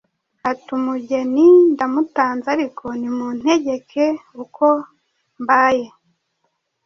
ati «Umugeni ndamutanze ariko nimuntegeke uko mbaye».